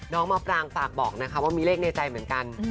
มะปรางฝากบอกนะคะว่ามีเลขในใจเหมือนกัน